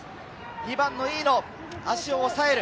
２番の飯野、足をおさえる。